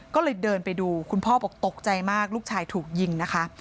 ก็เลยเดินไปดูคุณพ่อบอกตกใจมากลูกชายถูกยิงนะคะ